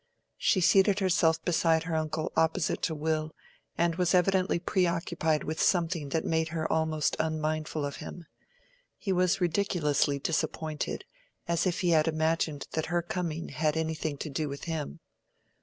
She seated herself beside her uncle opposite to Will, and was evidently preoccupied with something that made her almost unmindful of him. He was ridiculously disappointed, as if he had imagined that her coming had anything to do with him.